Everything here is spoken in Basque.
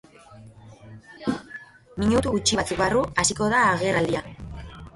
Minutu gutxi batzuk barru hasiko da agerraldia.